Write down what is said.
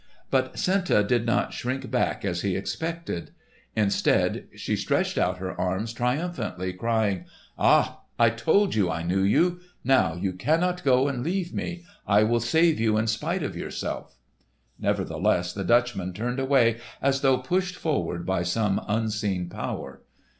But Senta did not shrink back as he expected. Instead she stretched out her arms triumphantly, crying, "Ah, I told you I knew you! Now you cannot go and leave me! I will save you in spite of yourself!" Nevertheless the Dutchman turned away as though pushed forward by some unseen power.